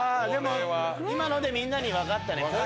でも今のでみんなに分かったね。